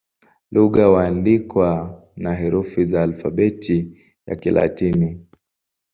Lugha huandikwa na herufi za Alfabeti ya Kilatini.